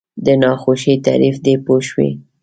د ناخوښۍ تعریف دی پوه شوې!.